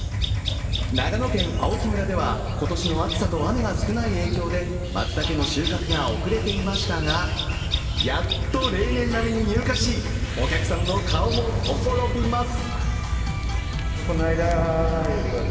長野県青木村では今年の暑さと雨が少ない影響でまつたけの収穫が遅れていましたが、やっと例年並みに入荷し、お客さんの顔もほころびます。